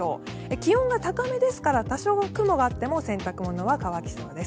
気温が高めですから多少、雲があっても洗濯物は乾きそうです。